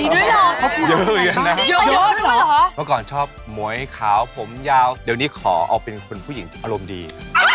มีคนโทรเข้ามาแบบว่าเอ่อขอเลี้ยงดูอะไรอย่างนี้